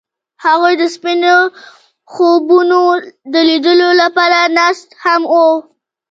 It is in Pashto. هغوی د سپین خوبونو د لیدلو لپاره ناست هم وو.